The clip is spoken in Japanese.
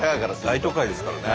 大都会ですからね。